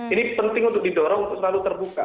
ini penting untuk didorong untuk selalu terbuka